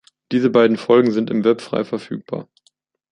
Diese beiden Folgen sind im Web frei verfügbar.